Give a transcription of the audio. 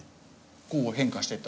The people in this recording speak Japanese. こう変化していった。